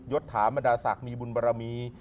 ยศถามดาษักมีบุญบรมี